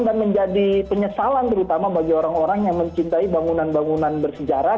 dan menjadi penyesalan terutama bagi orang orang yang mencintai bangunan bangunan bersejarah